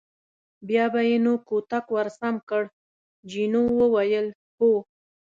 بیا به یې نو کوتک ور سم کړ، جینو وویل: هو.